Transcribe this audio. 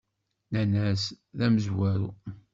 Nnan-as: D amezwaru.